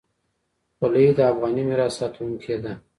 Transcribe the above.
خولۍ د افغاني میراث ساتونکې ده.